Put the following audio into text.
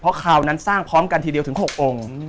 เพราะคราวนั้นสร้างพร้อมกันทีเดียวถึง๖องค์